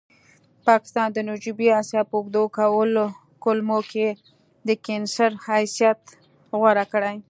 پاکستان د جنوبي اسیا په اوږدو کولمو کې د کېنسر حیثیت غوره کړی.